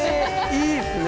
いいですね。